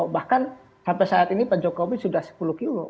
bahkan sampai saat ini pak jokowi sudah sepuluh kilo